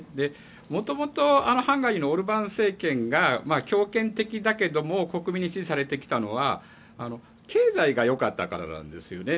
もともとハンガリーのオルバーン政権が強権的だけど国民に支持されてきたのは経済が良かったからなんですよね。